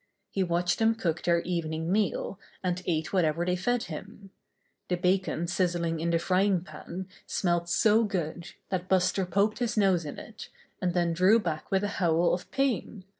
He watched them cook their evening meal, and ate whatever they fed him. The bacon siz zling in the frying pan smelt so good that Buster poked his nose in it, and then drew back with a howl of pain.